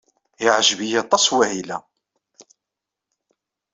Yeɛjeb-iyi aṭas wahil-a!